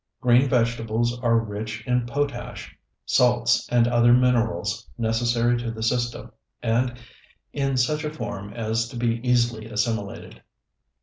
Green vegetables are rich in potash salts and other minerals necessary to the system, and in such a form as to be easily assimilated.